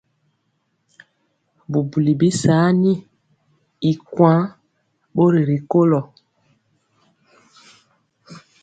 Bubuli bisaani y kuan bori rikolo.